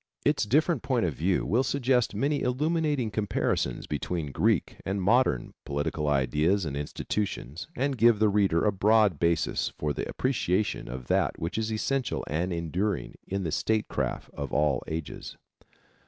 Its different point of view will suggest many illuminating comparisons between Greek and modern political ideals and institutions and give the reader a broad basis for the appreciation of that which is essential and enduring in the statecraft of all ages.